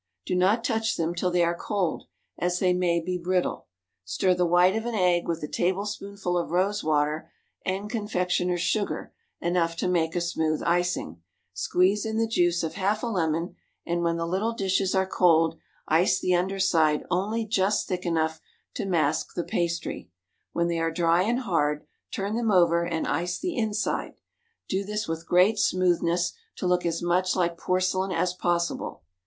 Do not touch them till they are cold, as they may be brittle. Stir the white of an egg with a tablespoonful of rose water and confectioners' sugar enough to make a smooth icing; squeeze in the juice of half a lemon, and when the little dishes are cold, ice the under side only just thick enough to mask the pastry; when they are dry and hard, turn them over and ice the inside; do this with great smoothness, to look as much like porcelain as possible.